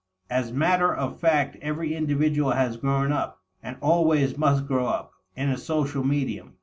As matter of fact every individual has grown up, and always must grow up, in a social medium.